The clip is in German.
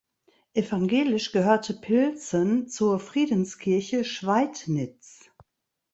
Evangelisch gehörte Pilzen zur Friedenskirche Schweidnitz.